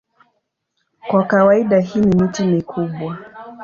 Kwa kawaida hii ni miti mikubwa.